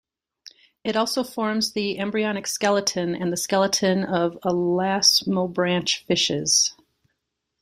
It also forms the embryonic skeleton and the skeleton of elasmobranch fishes.